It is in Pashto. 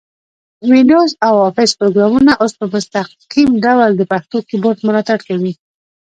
وینډوز او افس پروګرامونه اوس په مستقیم ډول د پښتو کیبورډ ملاتړ کوي.